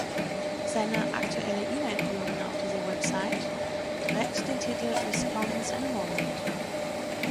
Seine aktuelle E-Mail-Kolumne auf dieser Website trägt den Titel „Response in a Moment“.